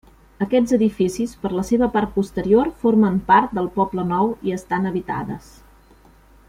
Aquests edificis per la seva part posterior formen part del poble nou i estan habitades.